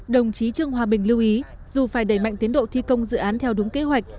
đồng chí trương hòa bình lưu ý dù phải đẩy mạnh tiến độ thi công dự án theo đúng kế hoạch